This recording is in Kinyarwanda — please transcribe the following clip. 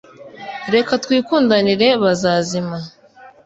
Reka twikundanire bazazima